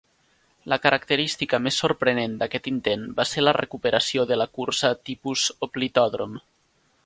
La característica més sorprenent d'aquest intent va ser la recuperació de la cursa tipus hoplitòdrom.